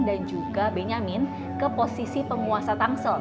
yang membuat pdi perjuangan dan gerindra berkuasa dengan kursi penguasa tangsel